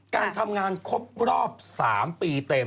การทำงานครบรอบ๓ปีเต็ม